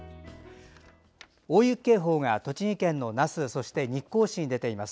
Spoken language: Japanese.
大雪警報が栃木県の那須そして日光市に出ています。